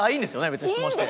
別に質問して。